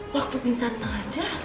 waktu pingsan aja